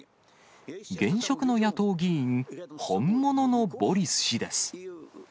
現職の野党議員、本物のボリス氏です。